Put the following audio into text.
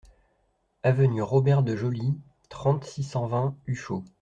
Avenue Robert de Joly, trente, six cent vingt Uchaud